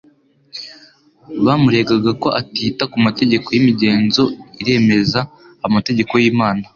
bamuregaga ko atita ku mategeko y'imigenzo iremereza amategeko y'Imana.